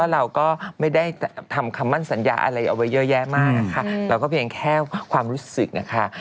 เราก็ไม่ได้ทำคำมั่นสัญญาอะไรเอาไว้เยอะแยะมากนะคะเราก็เพียงแค่ความรู้สึกนะคะ